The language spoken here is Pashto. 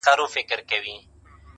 پنځه وخته لمونځ کوه